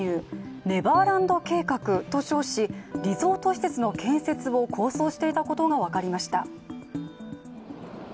ネバーランド計画と称し、リゾート施設の建設を構想していたことが分かりました。